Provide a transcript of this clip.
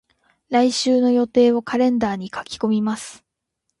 来週の予定をカレンダーに書き込みます。